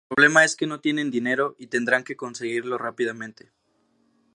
El problema es que no tienen dinero y tendrán que conseguirlo rápidamente.